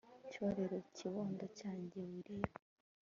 cyo rero kibondo cyange wirira